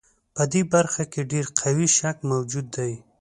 په دې برخه کې ډېر قوي شک موجود دی.